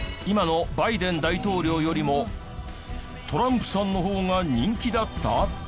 今のバイデン大統領よりもトランプさんの方が人気だった？